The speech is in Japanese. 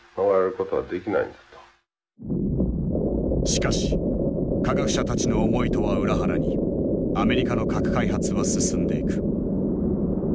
しかし科学者たちの思いとは裏腹にアメリカの核開発は進んでいく。